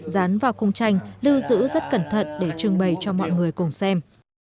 dán vào khung tranh lưu giữ rất cẩn thận để trưng bày cho mọi người cùng xem